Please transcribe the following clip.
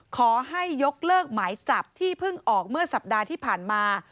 ขอให้ยกเลิกหมายจับที่เพิ่งออกเมื่อสัปดาห์ที่ผ่านมา